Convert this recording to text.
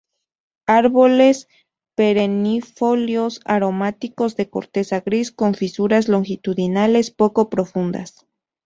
Árboles perennifolios, aromáticos, de corteza gris con fisuras longitudinales poco profundas.